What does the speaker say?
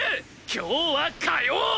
今日は火曜！